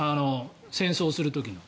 戦争をする時の。